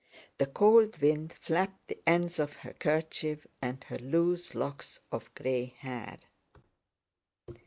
The cold wind flapped the ends of her kerchief and her loose locks of gray hair.